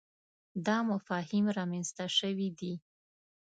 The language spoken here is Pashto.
دا مفاهیم رامنځته شوي دي.